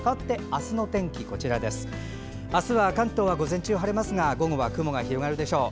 あすは関東は午前中は晴れますが午後は雲が広がるでしょう。